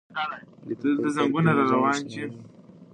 دی په خپل کار کې ډېر منظم او ریښتونی و.